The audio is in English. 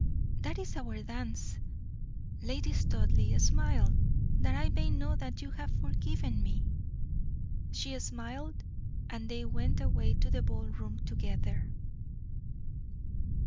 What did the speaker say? That is our dance. Lady Studleigh, smile, that I may know you have forgiven me." She smiled, and they went away to the ball room together.